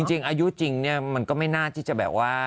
จริงอายุจริงเนี่ยมันก็ไม่น่าที่จะแบบว่า